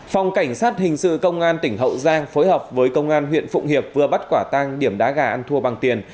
phòng cảnh sát hình sự công an tỉnh hậu giang phối hợp với công an huyện phụng hiệp vừa bắt quả tang điểm đá gà ăn thua bằng tiền